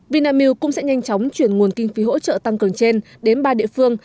vinamilk cũng sẽ nhanh chóng chuyển nguồn kinh phí hỗ trợ tăng cường trên đến ba địa phương